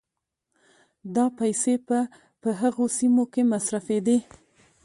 دا پيسې به په هغو سيمو کې مصرفېدې